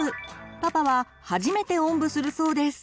パパは初めておんぶするそうです。